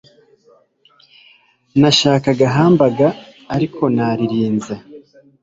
Nashakaga hamburger, ariko naririnze.